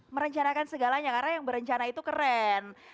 merencanakan segalanya karena yang berencana itu keren